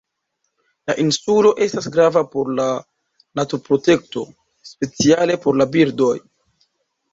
La insulo estas grava por la naturprotekto, speciale por la birdoj.